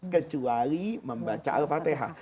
kecuali membaca al fatihah